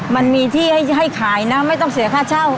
มันมีที่ให้ขายนะไม่ต้องเสียค่าเช่า